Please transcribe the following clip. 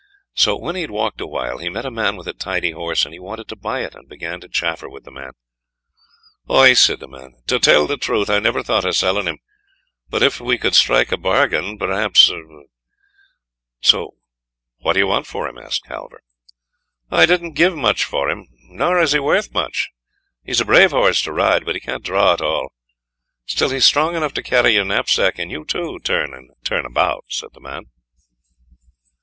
So, when he had walked a while, he met a man with a tidy horse, and he wanted to buy it, and began to chaffer with the man. "Aye," said the man, "to tell the truth, I never thought of selling him; but if we could strike a bargain perhaps " "What do you want for him?" asked Halvor. "I didn't give much for him, nor is he worth much; he's a brave horse to ride, but he can't draw at all; still he's strong enough to carry your knapsack and you too, turn and turn about," said the man.